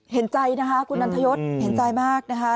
เห็นใจนะคะคุณนันทยศเห็นใจมากนะคะ